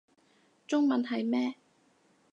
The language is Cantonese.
中文係咩